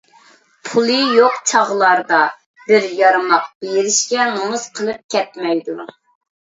پۇلى يوق چاغلاردا بىر يارماق بېرىشكە نومۇس قىلىپ كەتمەيدۇ.